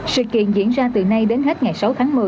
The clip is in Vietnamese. sự kiện diễn ra từ nay đến hết ngày sáu tháng một mươi